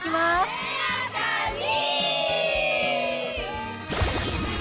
艶やかに！